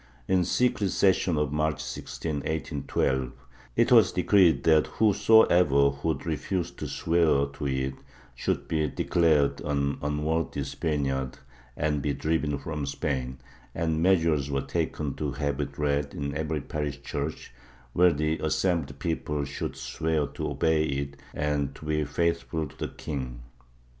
In secret session of March 16, 1812, it was de creed that whosoever should refuse to swear to it should be declared an unworthy Spaniard and be driven from Spain, and measures were taken to have it read in every parish church, where the assem bled people should swear to obey it and to be faithful to the king.